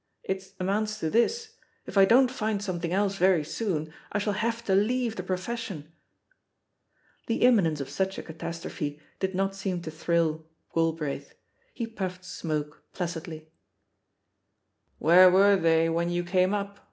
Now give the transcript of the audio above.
It amounts to this, if I don't find something else ffHE POSITION OP PEGGY HARPER 7. very soon, I shall have to leave the profession!" The imminence of such a catastrophe did not seem to thrill Galbraith; he puffed smoke placidly. "Where were they when you came up?"